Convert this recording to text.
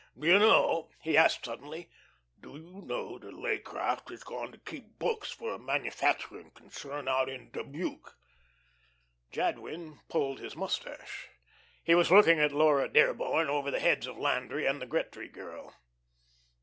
Do you know," he added suddenly. "Do you know that Leaycraft has gone to keep books for a manufacturing concern out in Dubuque?" Jadwin pulled his mustache. He was looking at Laura Dearborn over the heads of Landry and the Gretry girl.